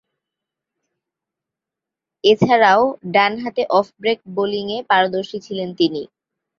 এছাড়াও, ডানহাতে off break বোলিংয়ে পারদর্শী ছিলেন তিনি।